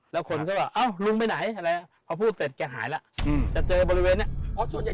แล้วเขาก็พูดเสร็จแกหายละจะเจอบริเวณนี้